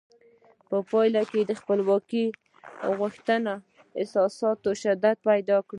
په پایله کې د خپلواکۍ غوښتنې احساساتو شدت پیدا کړ.